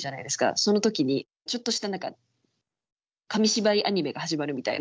その時にちょっとした何か紙芝居アニメが始まるみたいな。